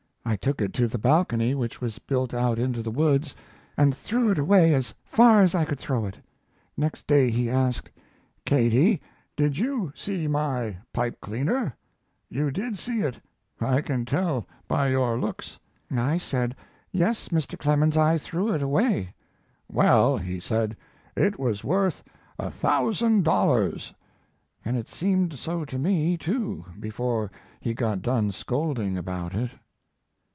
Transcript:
I took it to the balcony which was built out into the woods and threw it away as far as I could throw it. Next day he asked, "Katie, did you see my pipe cleaner? You did see it; I can tell by your looks." I said, "Yes, Mr. Clemens, I threw it away." "Well," he said, "it was worth a thousand dollars," and it seemed so to me, too, before he got done scolding about it.